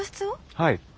はい。